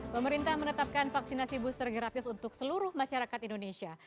pemerintah menetapkan vaksinasi booster gratis untuk seluruh masyarakat indonesia